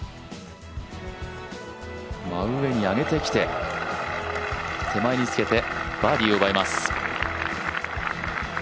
真上に上げてきて、手前につけてバーディーを奪います。